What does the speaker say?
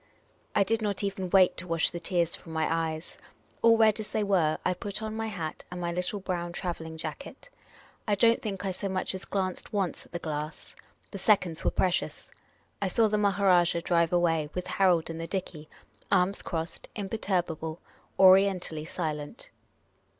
I did not even wait to wash the tears from my eyes. All red as they were, I put on my hat and my little brown travelling jacket. I don't think I so much as glanced once at the glass. The seconds were precious. I saw the Maha rajah drive away, with Harold in the dickey, arms crossed, imperturbable, Orientally silent.